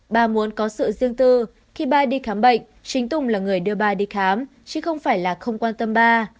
bà muốn có sự riêng tư khi ba đi khám bệnh chính tùng là người đưa ba đi khám chứ không phải là không quan tâm ba